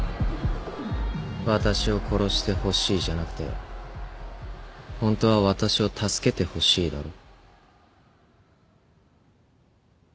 「私を殺してほしい」じゃなくてホントは「私を助けてほしい」だろ